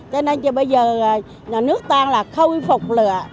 cho nên bây giờ nhà nước toàn là khôi phục lửa